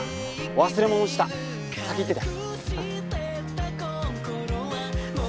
忘れ物した先行ってて。